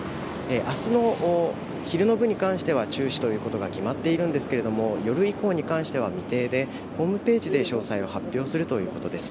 明日の昼の部に関しては中止ということが決まっているんですけれども夜以降に関しては未定で、ホームページで詳細を発表するということです。